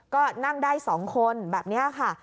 ก็นั่งได้๒คนแบบนี้ค่ะ